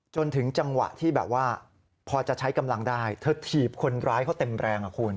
จนถึงจังหวะที่แบบว่าพอจะใช้กำลังได้เธอถีบคนร้ายเขาเต็มแรงอ่ะคุณ